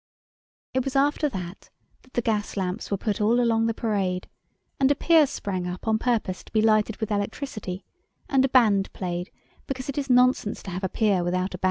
It was after that that the gas lamps were put all along the parade, and a pier sprang up on purpose to be lighted with electricity, and a band played, because it is nonsense to have a pier without a band.